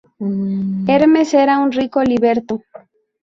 Hermes era un rico liberto.